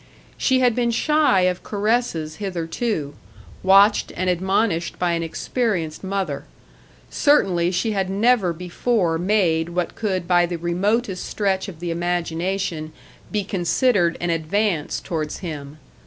She had been shy of caresses hitherto, watched and admonished by an experienced mother; certainly she had never before made what could by the remotest stretch of the imagination be considered an advance towards him.